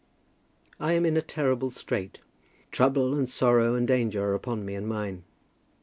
I am in a terrible strait. Trouble, and sorrow, and danger are upon me and mine.